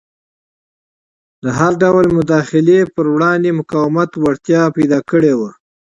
د هر ډول مداخلې پر وړاندې مقاومت وړتیا پیدا کړې وه.